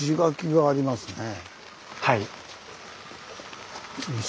はい。